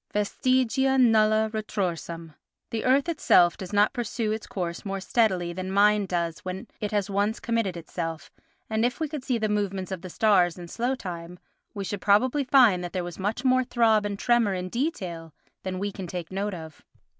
Vestigia nulla retrorsum; the earth itself does not pursue its course more steadily than mind does when it has once committed itself, and if we could see the movements of the stars in slow time we should probably find that there was much more throb and tremor in detail than we can take note of.